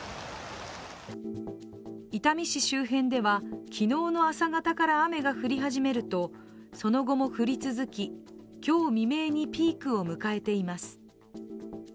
伊丹市周辺では昨日の朝方から雨が降り始めるとその後も降り続き、今日未明にピークを迎えています。